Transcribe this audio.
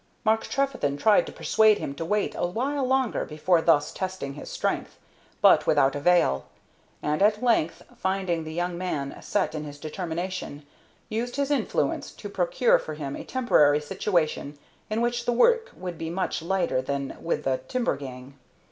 Mark Trefethen tried to persuade him to wait a while longer before thus testing his strength, but without avail, and at length, finding the young man set in his determination, used his influence to procure for him a temporary situation in which the work would be much lighter than with the timber gang.